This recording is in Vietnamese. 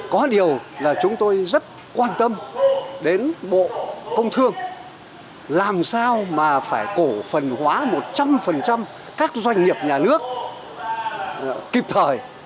có điều là chúng tôi rất quan tâm đến bộ công thương làm sao mà phải cổ phần hóa một trăm linh các doanh nghiệp nhà nước kịp thời